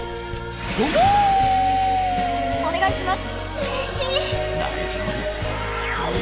お願いします。